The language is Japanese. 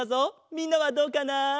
みんなはどうかな？